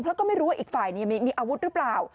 เพราะก็ไม่รู้ว่าอีกฝ่ายมีอาวุธหรือเปล่า